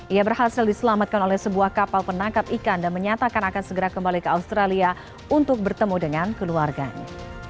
ia berhasil diselamatkan oleh sebuah kapal penangkap ikan dan menyatakan akan segera kembali ke australia untuk bertemu dengan keluarganya